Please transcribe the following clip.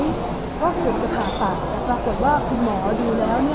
ก็คิดจะผ่าตัดปรากฏว่าคุณหมอดูแล้วเนี่ย